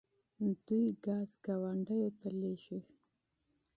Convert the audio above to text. دوی ګاز ګاونډیو ته لیږي.